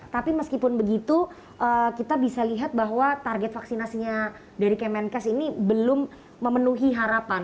tapi meskipun begitu kita bisa lihat bahwa target vaksinasinya dari kemenkes ini belum memenuhi harapan